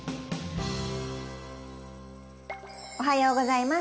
おはようございます。